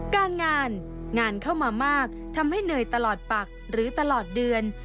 การงานงานเข้ามามากทำให้เหนื่อยตลอดปักหรือตลอดเดือน